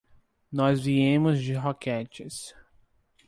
Nós viemos de Roquetes.